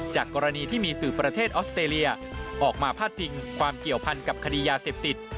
กรณีที่มีสื่อประเทศออสเตรเลียออกมาพาดพิงความเกี่ยวพันกับคดียาเสพติด